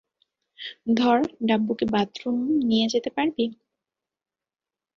ধর ডাব্বুকে বাথরুম নিয়ে যেতে পারবি?